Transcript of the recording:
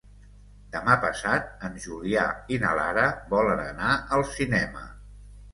Demà passat en Julià i na Lara volen anar al cinema.